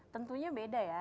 tentunya beda ya